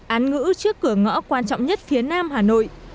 án ngữ trước cửa ngõ quan trọng nhất phía nam hà nội